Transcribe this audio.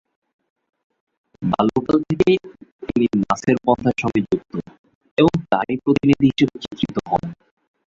বাল্যকাল থেকেই তিনি নাসেরপন্থার সঙ্গে যুক্ত এবং তাঁরই প্রতিনিধি হিসেবে চিত্রিত হন।